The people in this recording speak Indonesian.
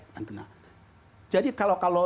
nanti nanti jadi kalau